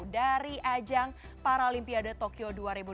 dari ajang paralimpiade tokyo dua ribu dua puluh